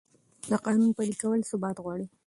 د قانون پلي کول ثبات غواړي